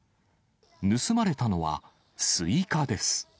盗まれたのは、スイカです。